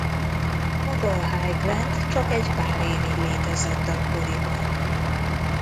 Maga a Highland csak egy pár évig létezett akkoriban.